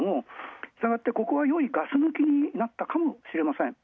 したがってここはよいガス抜きになったかもしれません。